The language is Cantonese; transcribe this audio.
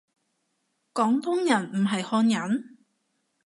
廣東人唔係漢人？